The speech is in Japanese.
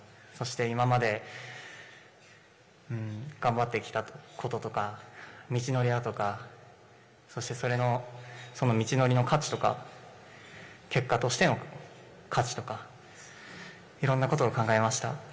そして今まで頑張ってきたこととか道のりだとかそしてその道のりの価値とか、結果としての価値とか、いろんなことを考えました。